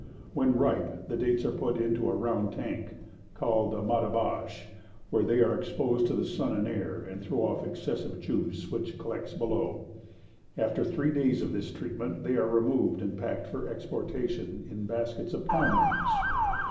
When ripe the dates are put into a round tank, called the madibash, where they are exposed to the sun and air, and throw off excessive juice which collects below; after three days of this treatment they are removed and packed for exportation in baskets of palm leaves.